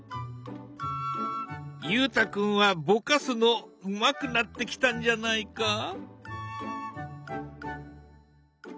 裕太君はぼかすのうまくなってきたんじゃないか。